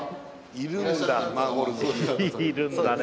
いるんだね。